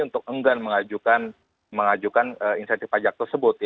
untuk enggan mengajukan insentif pajak tersebut